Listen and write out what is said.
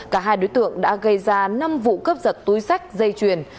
cả hai đối tượng đã gây ra năm vụ cướp giật túi sách dây chuyền